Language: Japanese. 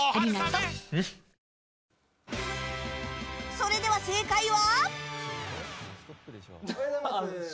それでは正解は。